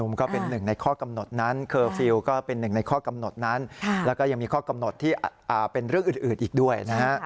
มีข้อกำหนดอยู่๖ข้อด้วย